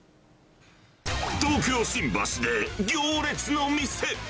東京・新橋で行列の店。